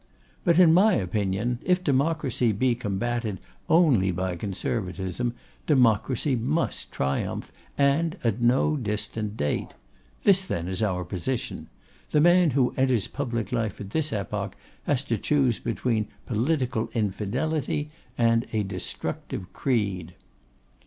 'But in my opinion, if Democracy be combated only by Conservatism, Democracy must triumph, and at no distant date. This, then, is our position. The man who enters public life at this epoch has to choose between Political Infidelity and a Destructive Creed.